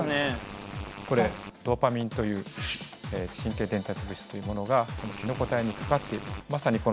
これドーパミンという神経伝達物質というものがこのキノコ体にかかっている。